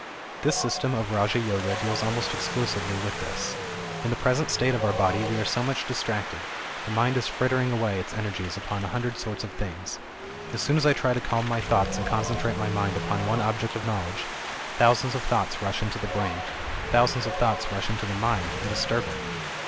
This system of Raja Yoga, deals almost exclusively with this. In the present state of our body we are so much distracted, the mind is frittering away its energies upon a hundred sorts of things. As soon as I try to calm my thoughts and concentrate my mind upon one object of knowledge, thousands of thoughts rush into the brain, thousands of thoughts rush into the mind and disturb" it.